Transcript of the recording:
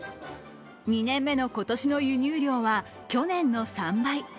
２年目の今年の輸入量は去年の３倍。